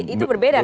itu berbeda kan